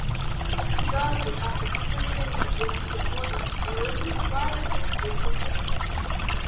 Mrs. Darcy found an opportunity during the morning for a little quiet talk with her sister.